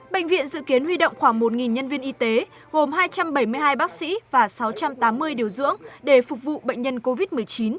bệnh viện dự kiến huy động khoảng một nhân viên y tế gồm hai trăm bảy mươi hai bác sĩ và sáu trăm tám mươi điều dưỡng để phục vụ bệnh nhân covid một mươi chín